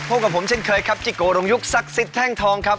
พบกับผมเช่นเคยครับจิโกรงยุคศักดิ์สิทธิ์แท่งทองครับ